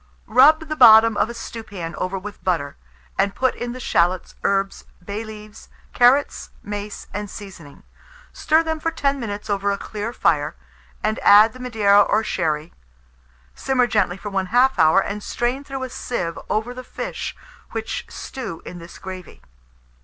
Rub the bottom of a stewpan over with butter, and put in the shalots, herbs, bay leaves, carrots, mace, and seasoning; stir them for 10 minutes over a clear fire, and add the Madeira or sherry; simmer gently for 1/2 hour, and strain through a sieve over the fish, which stew in this gravy.